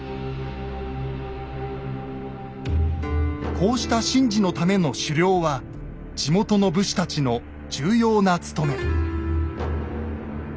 こうした神事のための狩猟は地元の武士たちの重要な務め。